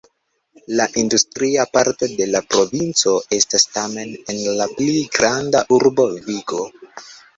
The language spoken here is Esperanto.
La industria parto de la provinco estas tamen en la pli granda urbo Vigo.